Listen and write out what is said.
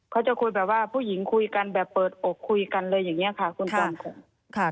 เขาจะคุยแบบว่าผู้หญิงคุยกันแบบเปิดอกคุยกันอะไรอย่างนี้ค่ะคุณจอมขม